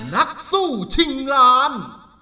นักสู้ชิงล้าน